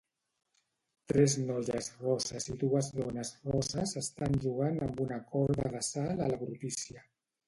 Tres noies rosses i dues dones rosses estan jugant amb una corda de salt a la brutícia